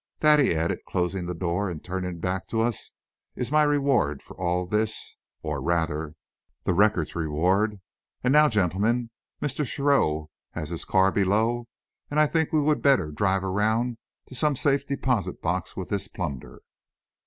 That," he added, closing the door and turning back to us, "is my reward for all this or, rather, the Record's reward. And now, gentlemen, Mr. Shearrow has his car below, and I think we would better drive around to some safe deposit box with this plunder."